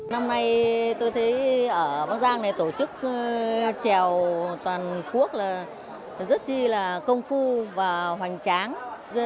năm nay tôi thấy ở bắc giang này tổ chức trèo toàn quốc là rất chi là công phu và hoành tráng